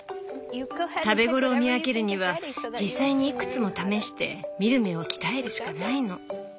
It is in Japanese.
食べ頃を見分けるには実際にいくつも試して見る目を鍛えるしかないの。